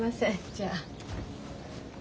じゃあ。